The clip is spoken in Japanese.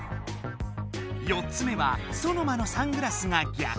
４つ目は「ソノマのサングラスが逆」。